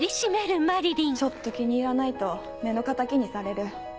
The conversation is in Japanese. ちょっと気に入らないと目の敵にされる。